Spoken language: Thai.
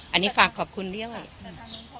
อันนี้ฝากขอบคุณเรียกว่าแต่ทางนึงเขาก็ยังยืนยันนะว่า